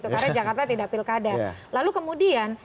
karena jakarta tidak pilkada lalu kemudian